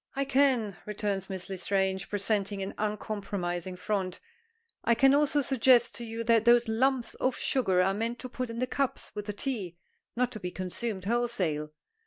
"I can," returns Miss L'Estrange, presenting an uncompromising front. "I can also suggest to you that those lumps of sugar are meant to put in the cups with the tea, not to be consumed wholesale.